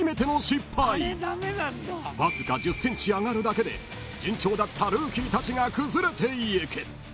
［わずか１０ｃｍ上がるだけで順調だったルーキーたちが崩れてゆく］